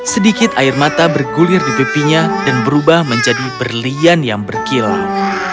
sedikit air mata bergulir di pipinya dan berubah menjadi berlian yang berkilau